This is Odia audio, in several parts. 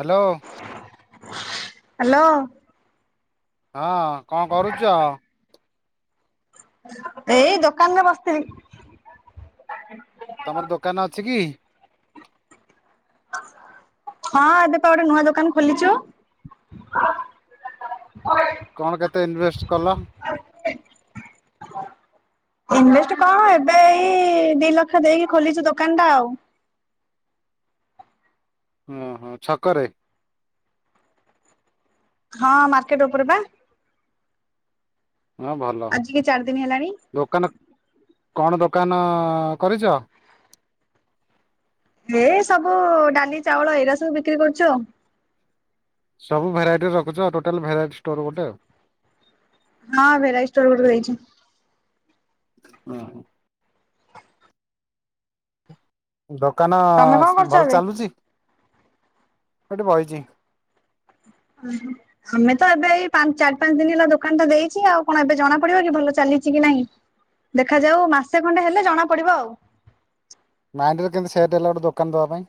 ହ୍ୟାଲୋ। ହ୍ୟାଲୋ। ହଁ କଣ କରୁଚ? ଏଇ ଦୋକାନ ରେ ବସିଥିଲି। ତମର ଦୋକାନ ଅଛି କି? ହଁ ଏବେ ପା ଗୋଟେ ନୂଆ ଦୋକାନ ଖୋଲିଚୁ। କଣ କେତେ ଇନଭେଷ୍ଟ କଲ? ଇଭେଷ୍ଟ କଣ ଏବେ ଏଇ ଦି ଲକ୍ଷ ଦେଇକି ଖୋଲିଛୁ ଦୋକାନ ଟା ଆଉ ଓ ହୋ ଛକରେ? ହଁ ମାର୍କେଟ ଉପରେ ପା ହଁ ଭଲ ଆଜିିକି ଚାରି ଦିନ ହେଲାଣି। ଦୋକାନ କଣ ଦୋକାନ କରିଚ? ଏ ସବୁ ଡାଲି ଚାଉଳ ଏଇରା ସବୁ ବିକ୍ରି କରୁଚୁ ଆଉ। ସବୁ ଭେରାଇଟି ରଖୁଚ ଟୋଟାଲ ଭେରାଇ ଷ୍ଟୋ ଗୋଟେ ଆଉ ହଁ ଭେରାଇ ଷ୍ଟୋର [unintelligible] ହେଇଛି। [inaudible] ଦୋକାନ ତମେ କଣ କରୁଛ ଭଲ ଏବେ? ଚାଲୁଚି ମୁଁ ଏଠି ବଇଛି। ଉଁ ହୁଁ ଆମେ ତ ଏବେ ଏଇ ଚାରି ପାଞ୍ଚ ଦିନ ହେଲା ଦୋକାନ ଟା ଦେଇଛି ଆଉ କଣ ଏବେ ଜଣା ପଡିବ କି ଭଲ ଚାଲିଛି କି ନାହିଁ। ଦେଖାଯାଉ ମାସେ ଖଣ୍ଡେ ହେଲେ ଜଣା ପଡିବ ଆଉ ମାଇଣ୍ଡିରେ କେିତି ସେଟ୍ ହେଲା ଗୋଟେ ଦୋକାନବା ପାଇଁ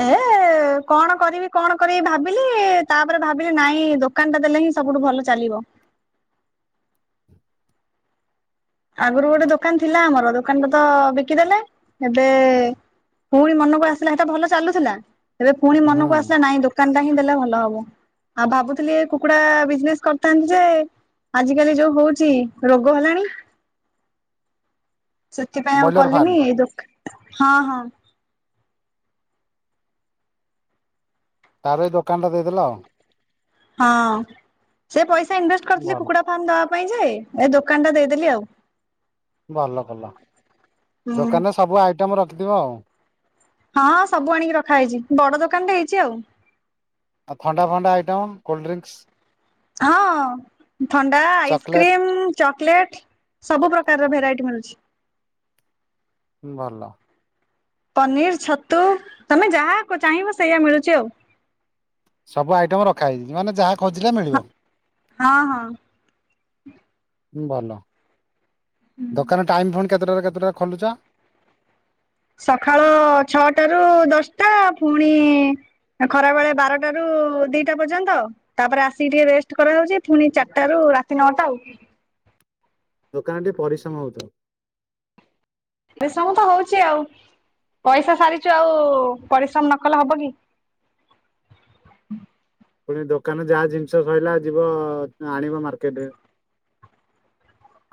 ଏ କଣ କରିବି କଣ କରିବି ଭାବିଲି ତାପରେ ଭାବିଲି ନାଇଁ ଦୋକାନ ଟା ଦେଲେ ହିଁ ସବୁଠୁ ଭଲ ଚାଲିବ। ଆଗରୁ ଗୋଟେ ଦୋକାନ ଥିଲା ଆମର ଦୋକାନରେ ତ ବିକିଦେଲେ ଏବେ ପୁଣି ମନକୁ ଆସିଲା ସେଟା ଭଲ ଚାଲୁଥିଲା। ଏବେ ପୁଣି ହୁଁ ମନକୁ ଆସିଲା ନାଇଁ ଦୋକାନ ଟା ହିଁ ଦେଲେ ଭଲ ହବ। ଆଉ ଭାବୁଥିଲି କୁକୁଡା ବିଜନେସ କରିଥାନ୍ତି ଯେ ଆଜ କାଲି ଯୋଉ ହଉଛି ରୋଗ ହେଲାଣି। ସେଥିପାଇଁ ଆଉ ବ୍ରଏଲର ଫାର୍ମ କଲିନି ଏ ଦୋକ ହଁ ହଁ ତାର ଏଇ ଦୋକାନ ଟା ଦେଇଦେ ଆଉ ହଁ ସେ ପଇସା ଇନଭେଷ୍ଟ କରିଥିଲି ଭଲ କୁକୁଡ଼ା ଫାର୍ମ ଦବା ପାଇଁ ଯେ ଏ ଦୋକାନ ଟା ଦେଇଦେଲି ଆଉ ଭଲ କଲ ହୁଁ। ଦୋକାନରେ ସବୁ ଆଇଟମ୍ ରଖିଥିବ ଆଉ ହଁ ହଁ ସବୁ ଆଣିକି ରଖା ହେଇଛି ବଡ ଦୋକାନ ହେଇଛି ଆଉ ଆ ଥଣ୍ଡା ଫଥଣ୍ଡା ଆଇଟମ୍ କୋଲ୍ଡ୍ରିଙ୍କକ୍ସ୍ ହଁ ଥଣ୍ଡା ଚକୋଲେଟ ଆଇସ୍କ୍ରିମ୍ ଚକୋଲେଟ ସବୁ ପ୍ରକାରର ଭେରାଇଟି ମିଳୁଛି। ଭଲ ପନିର ଛତୁ ତମେ ଯାହା ଚାହିଁବ ସେଇୟା ମିଳୁଛି ଆଉ ସବୁ ଆଇଟମ ରଖା ହେଇଯଛି ମାନେ ଯାହା ଖୋଜିଲା ମିଳିବ। ହ ହ ଭଲ ଦୋକାନ ଟାଇୁଣି କେତେଟାରେ କେତେଟା ଖୋଲୁଛ। ସକାଳ ଛଅଟ ରୁ ଦଶଟା ପୁଣି ଖରାବେେଳେ ବାରଟାରୁ ଦିଟା ପର୍ଯ୍ୟନ୍ତ ତାପରେ ଆସିକି ଟିକେ ରେଷ୍ଟ କରାାଉଉଛି ପୁଣି ଚାରିଟାରୁ ରାତି ନଅଟା ଆ ଦୋକାନ ଟିକେ ପରିଶ୍ରମ ହଉଛ। ପରିଶ୍ରମ ତ ହଉଛି ଆଉ ପଇସା ସାରିଛୁ ଆଉ ପରିଶ୍ରମ ନ କଲେ ହବ କି ପୁଣି ଦୋକାନ ଯାହା ଜିନିଷ ସରିଲା ଯିବ ଆଣିବ ମାର୍କେଟରେ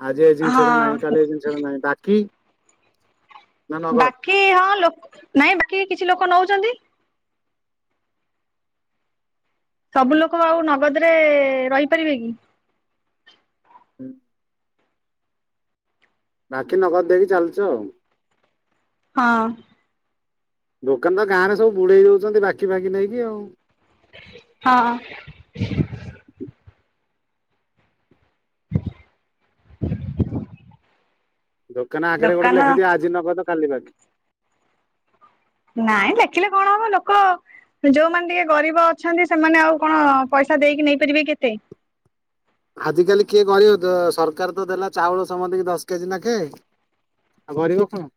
ଆଜି ଏ ଜିନିଷ ଟା ହଁ। ନାାଇଁ କାଲି ଏ ଜିନିଷଟା ନାହିଁ ବାକି ନା ନଗଦ ବାକି ହଁ ଲ ନାଇଁ ବାକି କିଛି ଲୋକ ନଉଛନ୍ତି। ସବୁ ଲୋକ ଆଉ ନଗଦରେ ରହିପାରିବେ କି ବାକି ନଗଦ ଦେଇକି ଚାଲିଛ ଆଉ ହଁ ଦୋକାନ ତ ଗାଁରେ ସବୁ ବୁଡେଇ ଦଉଛନ୍ତି ବାକି ଫକି ନେଇକି ଆଉ ହଁ [unintelligible] ଦୋକାନ ଆଗରେ ଗୋଟେ ଲେଖିଦିଅ ଆଜି ନଗ ତ କାଲି ବାକି ନାଇଁ ଦେଖିଲେ କଣ ହବ ଲୋକ ଯୋଉମାନେ ଟିକେ ଗରିବ ଅଛନ୍ତି ସେମାନେ ଆଉ କଣ ପଇସା ଦେଇକି ନେଇପାରିବେ କେତେ ଆଜ କାଲି କିଏ କହିବ ତ ସରକାର ତ ଦେଲା ଚାଉଳ ସମ୍ଧ କି ଦଶ କେଜି ନାଖେ ଆଉ ଗରିବ କୁଣ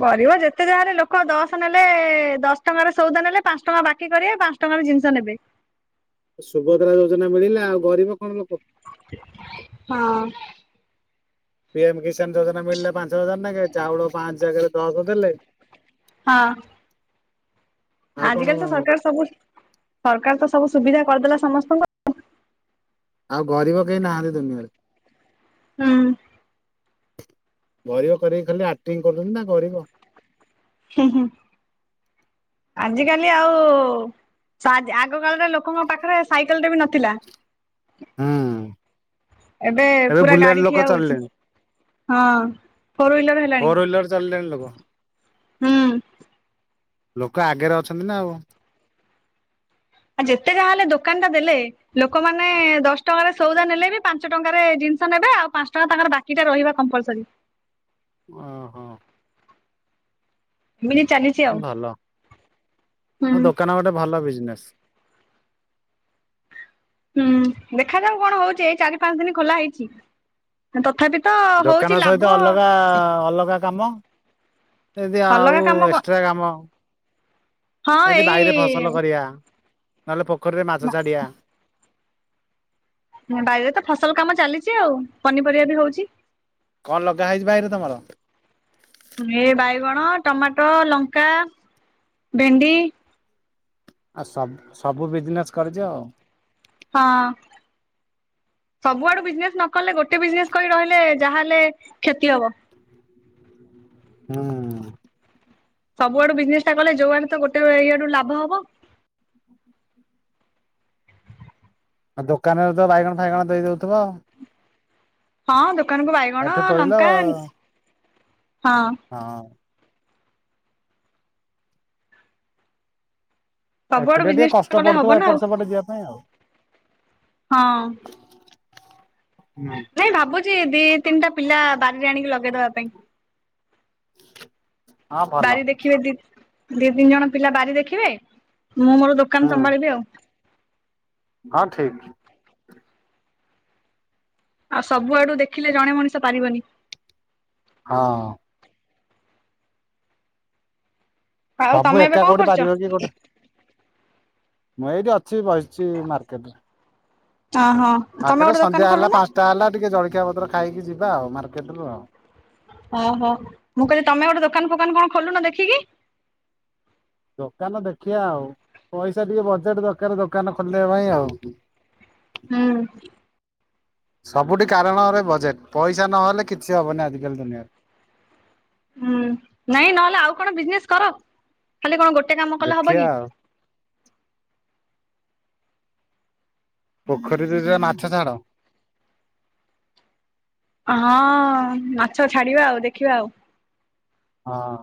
ଗରିବ ଯେତେ ଯାହାରେ ଲୋକ ଦଶ ନେଲେ ଦଶ ଟଙ୍କାରେ ସଉଦ ନେଲେ ପାଞ୍ଚ ଟଙ୍କା ବାକି କରିବ ପାଞ୍ଚା ଟଙ୍କାର ଜିନିଷ ନେବେ। ସୁଭଦ୍ରା ଯୋଜନା ମିଳିଲା ଆଉ ଗରିବ କଣ ଲୋକ ହଁ [inaudible] ପିଏମ କିଷାନ ଯୋଜନା ମିଳିଲେ ପାଞ୍ଚ ହଜାର ନ ଚାଉଳ ପାଞ୍ଚ ହଜାର ଦଶ ଦେଲେ ହଁ [inaudible] ଆଉ କଣ ଆଜ କାଲି ତ ସରକାର ସବୁ ତ ସବୁ ସୁବିଧା କରିଦେଲା ଆଉ ଗରିବ କେହି ନାହାନ୍ତି ଦୁନିଆରେ। [inaudible] ଗରିବ କରିକି ଖାଲି ଆକ୍ଟିଂ କରୁଛନ୍ତି ନା ଗରିବ। ହୁଁ ହୁଁ ଆଜିିକାଲି ଆଉ ଆଗ କାଳରେ ଲୋକଙ୍କ ପାଖରେ ସାଇକେଲ ଟେ ବି ନଥିଲା। ହୁଁ ଏବେ ପୁରା ବୁଲେଟ ଗାଡି ଠିଆ ଲୋକ ହଉଛି ଚାଲିଇଲେଣି। ହଁ ଫୋର ହ୍ୱିଲର ହେଲାଣି ଫୋର୍ୱେଲେର ଚାଲିଲଣି ଲୋକ। ହୁଁ। ଲୋକ ଆଗରେ ଅଛନ୍ତି ନା ଆଉ। ଆଉ ଯେତେ ଯାହା ହେଲେ ଦୋକାନ ଟା ଦେଲେ ଲୋକମାନୋନ ଦଶ ଟଙ୍କାରେ ସଉଦା ନେଲେ ବି ପାଞ୍ଚ ଟଙ୍କାରେ ଜିନିଷ ନେବେ ଆଉ ପାଞ୍ଚ ଟଙ୍କା ତାଙ୍କର ବା କିଇଟା ରହିବା କମ୍ପଲସରି। ଓହୋ। ବିି ଚାଲି ଭଲ ମୋ ଦୋକାନ ଗୋଟେ ଭଲ ବିଜନେସ୍। ହୁଁ ଦେଖାଯାଉ କଣ ହଉଛି ଏଇ ଚାରି ପାଞ୍ଚ ଦିନ ଖୋଲା ହେଇଛି। ତଥାପି ତ ଦୋକାନ ହଉଛି ସହିତ ଲାଭ। ଅଲଗା ଅଲଗା କାମ ଯଦି ଆଉ ଅଲଗା କାମ କଣ ଏସଟ୍ରା କାମ। ହଁ ଏମିତି ଏଇ ବାଇରେ ଫସଲ କରିବା ନହେଲେ ପୋଖରୀରେ ମାଛ ଛାଡଆ। ବାଇରେ ତ ଫସଲ କାମ ଚାଲିଛି ଆଉ ପନିପରିବା ବି ହଉଛି। କଣ ଲଗା ହେଇଛି ବାଇରେ ତମର। ଏ ବାଇଗଣ, ଟମାଟୋ, ଲଙ୍କା, ଭେଣ୍ଡି। ଆଉ ସବ ସବୁ ବିଜନେସ୍ କରିଛି ଆଉ। ହଁ। ସବୁଆଡୁ ବିଜନେସ ନକଲେ ଗୋଟେ ବିଜନେସ କରି ରହିଲେ ଯାହାହଲେ କ୍ଷତି ହବ। ହୁଁ। ସବୁଆଡୁ ବିଜନେସ ଟା କଲେ ଯୋଉମାନେେ ତ ଗୋଟେଇଆଡୁ ଲାଭ ହବ। ଆଉ ଦୋକାନରେ ତ ବାଇଗଣ ଫାଇଗଣ ଦେଇ ଦଉଥିବ। ହଁ ଦୋକାନକୁ ବାଇଗଣ, ଏଠୁ ତୋଳିଲ ଲଙ୍କା ହଁ। ହଁ। ସବୁଆଡୁ ଏକୁଟିଆ ଟିକେ ବିଜନେସ ଟା କଷ୍ଟ କଲେ ହବ ପଡୁଥିବ ନା ଆଉ ଏପଟେ ସେପଟେ ଯିବା ପାଇଁ ଆଉ। ହଁ ହୁଁ ନାଇଁ ଭାବୁଛି ଦି ତିନିଟା ପିଲା ବାରିରେ ଆଣିକି ଲଗେଇଦବା ପାଇଁ। ହଁ ଭଲ ବାରି ଦେଖିବେ ଦି ଦି ତିନି ଜଣ ପିଲା ବାରି ଦେଖିବେ ମୁଁ ମୋର ଦୋକାନ ହୁଁ ସମ୍ଭାଳିବି ଆଉ। ହଁ ଠିକ୍। ଆଉ ସବୁଆଡୁ ଦେଖିଲେ ଜଣେ ମଣିଷ ପାରିବନି। ହଁ ଆଉ ସବୁ ତମେ ଏବେ ଏକା କଣ କୋଉଠି କରୁଛ? ପାରିବ କି ଗୋଟେ। ମୁଁ ଏଇଠି ଅଛି ବସିଛି ମାର୍କେଟରେ। ଓହୋ ମାର୍କେଟ ତମେ ଗୋଟେ ସନ୍ଧ୍ୟା ଦୋକାନ ହେଲା ଖୋଲୁ ନା ପାଞ୍ଚଟା ହେଲା ଟିକେ ଜଳଖିଆ ପତ୍ର ଖାଇକି ଯିବା ଆଉ ମାର୍କେଟୁ ଆଉ ଓହୋ ମୁଁ କହିଲି ତମେ ଗୋଟେ ଦୋକାନ ଫୋକାନ କଣ ଖୋଲୁନ ଦେଖିକି। ଦୋକାନ ଦେଖିବା ଆଉ ପଇସା ଟିକେ ବଜେଟ ଦରକାର ଦୋକାନ ଖୋଲିବା ପାଇଁ ଆଉ। ହୁଁ ସବୁଠି କାରଣରେ ବଜେଟ ପଇସା ନହେଲେ କିଛି ହବନି ଆଜିକାଲି ଦୁନିଆରେ। ହୁଁ ନାଇଁ ନହେଲେ ଆଉ କଣ ବିଜନେସ କର ଖାଲି କଣ ଗୋଟେ କାମ କଲେ ହବ ଦେଖିବା କି। ଆଉ। ପୋଖରୀ ରୁ ମାଛ ଛାଡ। ହଁ ମାଛ ଛାଡିବା ଆଉ ଦେଖିବା ଆଉ ହଁ।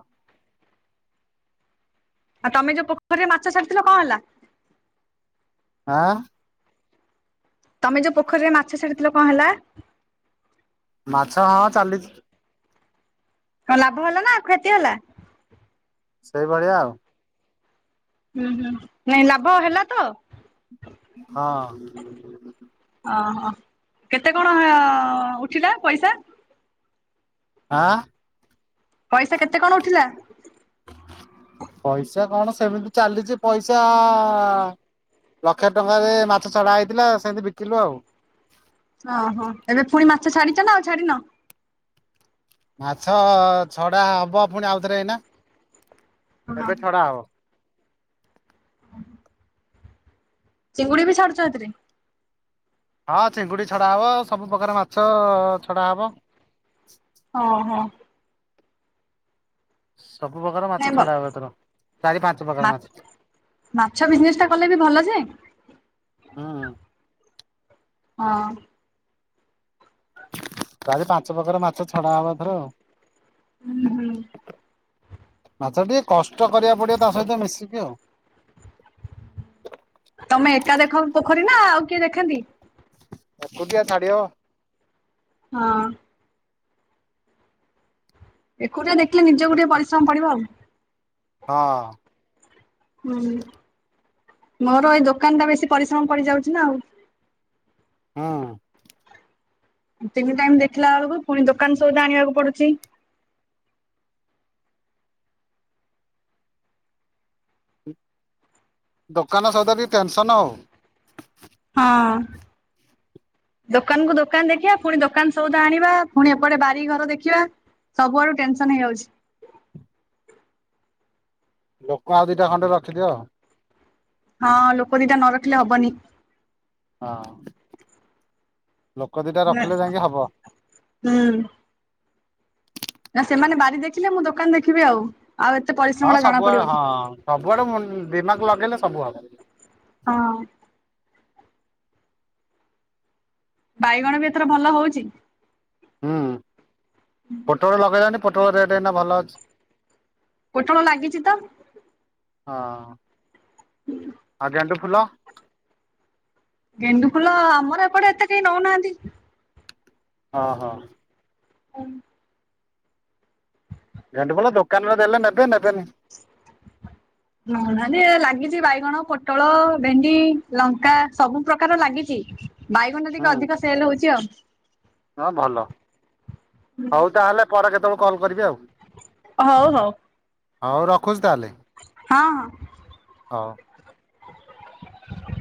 ଆଉ ତମେ ଯୋଉ ପୋଖୀରେ ମାଛ ଛାଡିଥିଲ କ ହେଲା? ଆଁ। ତମେ ଯୋଉ ପୋଖରୀରେ ମାଛ ଛାଡିଥିଲ କ ହେଲା? ମାଛ ହଁ ଚାଲିଛି। କ ଲାଭ ହେଲା ନାଉ କ୍ଷତି ହେଲା? ସେଇଭଳିଆ ଆଉ ହୁଁ ହୁଁ ନାଇଁ ଲାଭ ହେଲା ତ? ହଁ। ଓହୋ କେତେ କଣ ଉଠିଲା ପଇସା? ଆଁ। ପଇସା କେତେ କଣ ଉଠିଲା? ପଇସା କଣ ସେମିତି ଚାଲିଛି ପଇସା ଆ ଲକ୍ଷେ ଟଙ୍କାରେ ମାଛ ଛାଡା ହେଇଥିଲା ସେମିତି ବିକିଲୁ ଆଉ। ଅହଁ ଏବେ ପୁଣି ମାଛ ଛାଡିଛ ନା ଆଉ ଛାଡିିନ? ମାଛ ଛଡା ହବ ପୁଣି ଆଉଥରେ ଏଇନା। ହଁ ଏବେ ଛଡା ହବ? ଚିଙ୍ଗୁଡି ବି ଛାଡୁଛ ହେଥିରେ? ହଁ ଚିଙ୍ଗୁଡ଼ି ଛଡ଼ା ହେବ ସବୁ ପ୍ର୍ରକାର ମାଛ ଛଡ଼ା ହେବ। ହଁ ହଁ। ସବୁ ପ୍ରକାର ମାଛ ନାଇଁ ଭଲ ଛଡା ହବ ଏଥର ଚାରି ପାଞ୍ଚ ମା ପ୍ରକାର ମାଛ। ମାଛ ବିଜିନେସ ଟା କଲେ ବି ଭଲ ଯେଁ ହୁଁ। ହଁ। ଚାରି ପାଞ୍ଚ ପ୍ରକାରର ମାଛ ଛଡା ହବ ଏଥର ଆଉ। ହୁଁ ହୁଁ। ମାଛ ଟିକେ କଷ୍ଟ କରିବାକୁ ପଡିବ ତା ସହିତ ମିଶିକି ଆଉ। [unintelligible] ତମେ ଏକା ଦେଖ ପୋଖରୀ ନା ଆଉ କିଏ ଦେଖେନ୍ତି? ଏକୁଟିଆ ଛାଡ଼ି ହବ? ହଁ। ଏକୁଟିଆ ଦେଖିଲେ ନିଜକୁ ଟିକେ ପରିଶ୍ରମ ପଡିବ ଆଉ। ହଁ। ହୁଁ ମୋର ଏଇ ଦୋକାନ ଟା ବେଶୀ ପରିଶ୍ରମ ପଡିଯାଉଛି ନା ଆଉ। ହଁ। ତିନି ଟାଇମ ଦେଖିଲା ବେଳକୁ ପୁଣି ଦୋକାନ ସଉଦା ଆଣିବାକୁ ପଡୁଛି। ଦୋକାନ ସଉଦା ଟିକେ ଟେନସନ୍ ଆଉ। ହଁ। ଦୋକାନକୁ ଦୋକାନ ଦେଖିବା ପୁଣି ଦୋକାନ ସଉଦ ଆଣିବା ପୁଣି ଏପଟେ ବାରି ଘର ଦେଖିବା। ସବୁ ଆଡୁ ଟେନସନ ହେଇଯାଉଛି। ଲୋକ ଆଉ ଦିଟା ଖଣ୍ଡେ ରଖିଦିଅ। ହଁ ଲୋକ ଦିଟା ନ ରଖିଲେ ହବନି। ହଁ। ଲୋକ ଦିଟା ରଖିଲେ ଯାଇକି ହବ। ହୁଁ। ନା ସେମାନେ ବାରି ଦେଖିଲେ ମୁଁ ଦୋକାନ ଦେଖିବି ଆଉ। ଆଉ ଏତେ ହଁ ପରିଶ୍ରମ ଟା ଜଣା ସବୁଆଡେ ପଡିବନି। ହଁ ସବୁଆଡେ ମୁଁ ଦିମାଗ ଲଗେଇଲେ ସବୁ ହବ। ହଁ। ବାଇଗଣ ବି ଏଥର ଭଲ ହଉଛି। ହୁଁ ପୋଟଳ ଲଗେଇଲଣିି ପୋଟଳ ରେଟ୍ ଏଇନା ଭଲ ଅଛି। ପୋଟଳ ଲାଗିଛି ତ। ହଁ ଆଉ ଗେଣ୍ଡୁ ଫୁଲ ଗେଣ୍ଡୁ ଫୁଲ ଆମର ଏପଟେ ଏତେ କେହି ନଉନାହାନ୍ତି। ହଁ ହଁ ହଁ ଗେଣ୍ଡୁ ଫୁଲ ଦୋକାନରେ ଦେଲେ ନେବେ ନେବେନି। ହ ନ ଲାଗିଛି ବାଇଗଣ, ପୋଟଳ, ଭେଣ୍ଡି, ଲଙ୍କା ସବୁ ପ୍ରକାର ଲାଗିଛି ବାଇଗଣ ହୁଁ ଟିକେ ଅଧିକ ସେଲ ହଉଛି ଆଉ। ହଁ ଭଲ ହଉ ତାହେଲେ ପରେ କେତେବେଳେ କଲ୍ କରିବି ଆଉ? ହଉ ହଉ। ହଉ ରଖୁଛି ତାହେଲେ? ହଁ ହଁ ହଁ [inaudible]